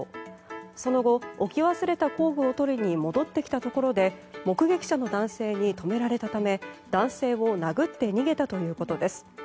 その後、置き忘れた工具を取りに戻ってきたところで目撃者の男性に止められたため男性を殴って逃げたということです。